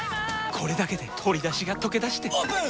これだけで鶏だしがとけだしてオープン！